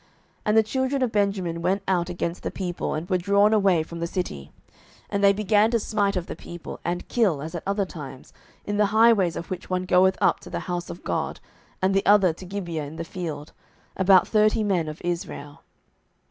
07:020:031 And the children of Benjamin went out against the people, and were drawn away from the city; and they began to smite of the people, and kill, as at other times, in the highways, of which one goeth up to the house of God, and the other to Gibeah in the field, about thirty men of Israel.